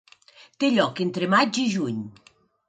Té lloc entre maig i juny.